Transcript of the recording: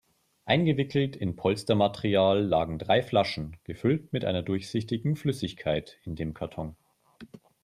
Eingewickelt in Polstermaterial lagen drei Flaschen, gefüllt mit einer durchsichtigen Flüssigkeit, in dem Karton.